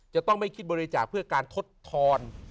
จะต้องไม่คิดบริจาคเพื่อการทดทอน